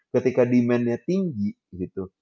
ketika demandnya tinggi gitu